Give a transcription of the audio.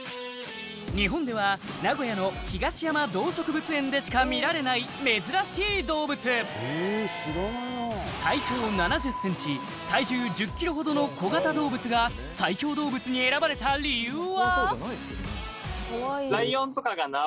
日本では名古屋の東山動植物園でしか見られない珍しい動物体長７０ｃｍ体重１０キロほどの小型動物が最強動物に選ばれた理由は？